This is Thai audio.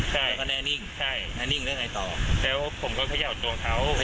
ใช่ก็แน่นิ่งใช่แน่นิ่งแล้วไงต่อแล้วผมก็เขย่าตัวเขา